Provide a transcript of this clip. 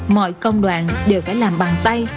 mọi công đoàn đều phải làm bằng tay